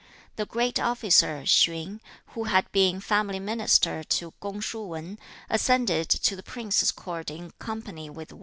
1. The great officer, Hsien, who had been family minister to Kung shu Wan, ascended to the prince's court in company with Wan.